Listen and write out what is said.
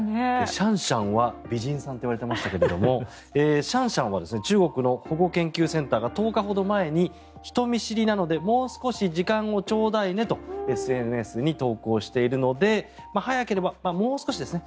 シャンシャンは美人さんと言われていましたがシャンシャンは中国の保護研究センターが１０日ほど前に、人見知りなのでもう少し時間をちょうだいねとＳＮＳに投稿しているので早ければ、もう少しですね。